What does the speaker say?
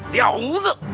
dia ngawur sih